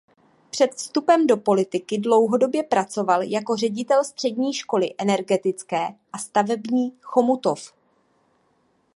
Před vstupem do politiky dlouhodobě pracoval jako ředitel Střední školy energetické a stavební Chomutov.